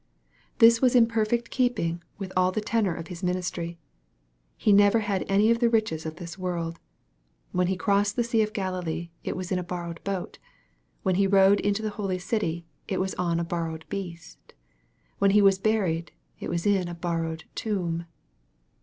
This was in perfect keeping with all the tenor of His ministry. He never had any of the riches of this world. When He crossed the sea of Galilee, it was in a borrowed boat. When He rode into the holy city, it was on a borrowed beast. When He was buried, it was in a borrowed tomb.